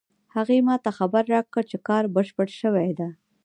هغې ما ته خبر راکړ چې کار بشپړ شوی ده